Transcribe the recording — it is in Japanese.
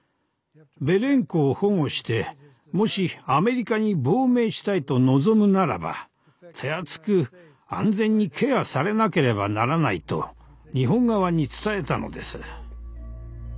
ベレンコを保護してもしアメリカに亡命したいと望むならば手厚く安全にケアされなければならないと日本側に伝えたのです。